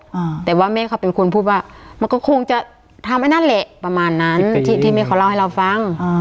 อ่าแต่ว่าแม่เขาเป็นคนพูดว่ามันก็คงจะทำไอ้นั่นแหละประมาณนั้นที่ที่แม่เขาเล่าให้เราฟังอ่า